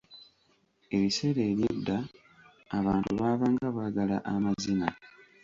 Ebiseera eby’edda abantu baabanga baagala amazina.